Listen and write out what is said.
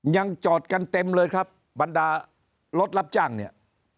ยังจอดกันเต็มเลยครับบรรดารถรับจ้างเนี่ย